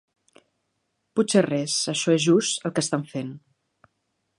Potser res; això és just el que estan fent.